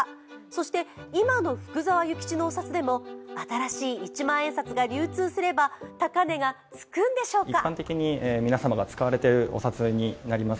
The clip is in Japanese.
そして今の福沢諭吉のお札で新しい一万円札が流通すれば高値がつくんでしょうか？